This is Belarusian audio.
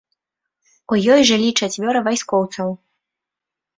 У ёй жылі чацвёра вайскоўцаў.